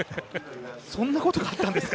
そんなことがあったんですか？